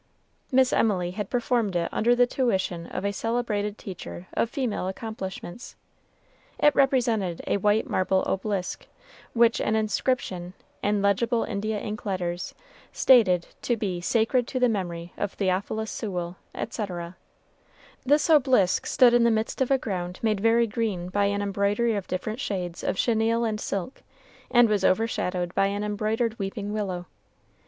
Miss Emily had performed it under the tuition of a celebrated teacher of female accomplishments. It represented a white marble obelisk, which an inscription, in legible India ink letters, stated to be "Sacred to the memory of Theophilus Sewell," etc. This obelisk stood in the midst of a ground made very green by an embroidery of different shades of chenille and silk, and was overshadowed by an embroidered weeping willow.